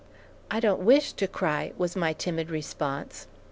"I don't wish to cry," was my timid response.